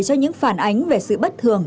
cho những phản ánh về sự bất thường